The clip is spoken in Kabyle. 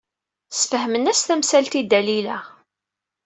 Sfehmen-as tamsalt i Dalila.